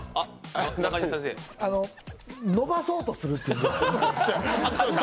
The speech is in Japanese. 伸ばそうとするっていうんですかね。